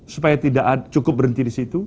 supaya tidak cukup berhenti di situ